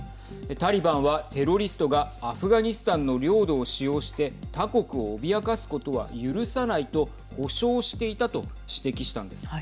タリバンはテロリストがアフガニスタンの領土を使用して他国を脅かすことは許さないと保証していたと指摘したんです。